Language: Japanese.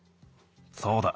そうだ。